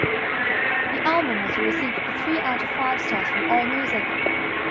The album also received three out of five stars from Allmusic.